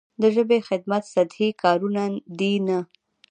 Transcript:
د ژبې خدمت سطحي کارونه دي نه.